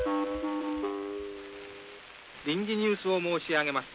「臨時ニュースを申し上げます。